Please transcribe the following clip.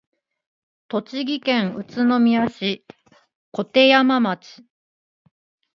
栃木県宇都宮市鐺山町